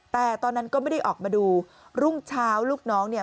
แต่ตอนนั้นก็ไม่ได้ออกมาดูรุ่งเช้าลูกน้องเนี่ย